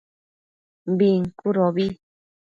Bincudobi